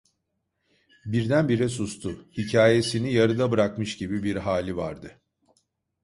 Birdenbire sustu, hikayesini yarıda bırakmış gibi bir hali vardı.